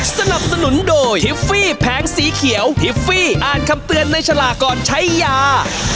สนับสนุนโดยทิฟฟี่แผงสีเขียวทิฟฟี่อ่านคำเตือนในฉลากก่อนใช้ยา